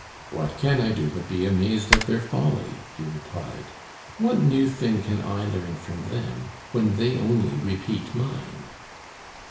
"What can I do but be amazed at their folly?" he replied. "What new thing can I learn from them, when they only repeat mine?"